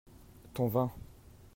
ton vin.